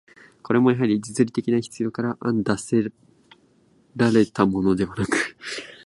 これもやはり、実利的な必要から案出せられたものではなく、